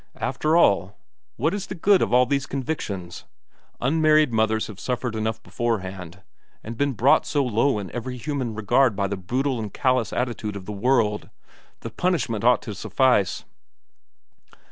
After all, what is the good of all these convictions? Unmarried mothers have suffered enough beforehand, and been brought so low in every human regard by the brutal and callous attitude of the world the punishment ought to suffice."